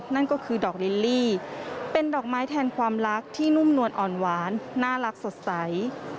นั่นก็คือดอกลิลลี่เป็นดอกไม้แทนความรักที่นุ่มนวลอ่อนหวานน่ารักสดใส